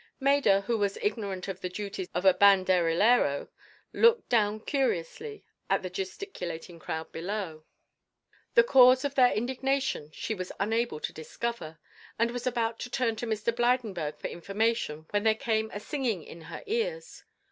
Maida, who was ignorant of the duties of a banderillero, looked down curiously at the gesticulating crowd below. The cause of their indignation she was unable to discover, and was about to turn to Mr. Blydenburg for information, when there came a singing in her ears.